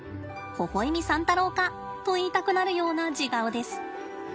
「ほほ笑み三太郎か」と言いたくなるような地顔です。